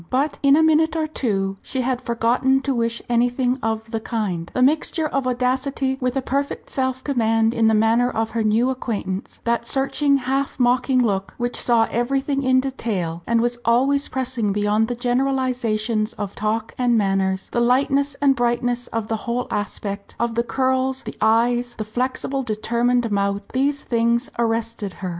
But in a minute or two she had forgotten to wish anything of the kind. The mixture of audacity with a perfect self command in the manner of her new acquaintance, that searching half mocking look, which saw everything in detail, and was always pressing beyond the generalisations of talk and manners, the lightness and brightness of the whole aspect, of the curls, the eyes, the flexible determined mouth, these things arrested her.